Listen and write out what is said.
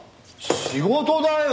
仕事だよ！